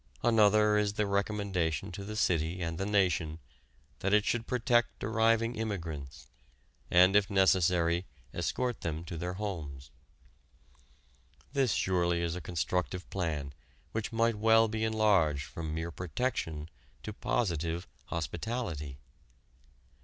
Another is the recommendation to the city and the nation that it should protect arriving immigrants, and if necessary escort them to their homes. This surely is a constructive plan which might well be enlarged from mere protection to positive hospitality.